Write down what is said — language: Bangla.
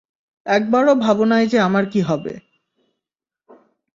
একবারো ভাবো নাই যে আমার কী হবে।